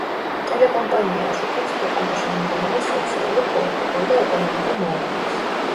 ტელეკომპანია აშუქებს ქვეყანაში მიმდინარე სოციალურ, პოლიტიკურ და ეკონომიკურ მოვლენებს.